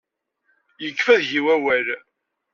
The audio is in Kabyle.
Yekfa deg-i wawal.